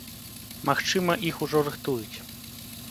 Магчыма, іх ужо рыхтуюць.